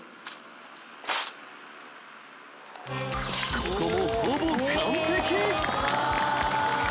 ［ここもほぼ完璧］